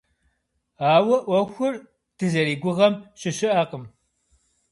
Ауэ ӏуэхур дызэригугъэм щыщыӏэкъым.